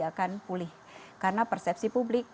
akan pulih karena persepsi publik